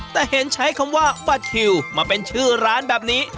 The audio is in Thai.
แต่เห็นใช้คำว่าบัตรคิวมาเป็นชื่อร้านแบบนี้